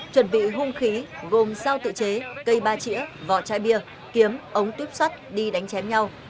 chuẩn bị hung khí gồm sao tự chế cây ba chỉa vỏ chai bia kiếm ống tuyếp sắt đi đánh chém nhau